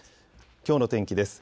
きょうの天気です。